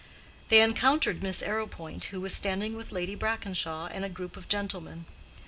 They encountered Miss Arrowpoint, who was standing with Lady Brackenshaw and a group of gentlemen.